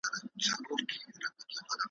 زه مي د زلمیو شپو توبه یمه ماتېږمه `